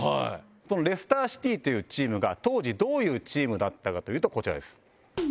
そのレスター・シティというチームが当時どういうチームだったかというとこちらです。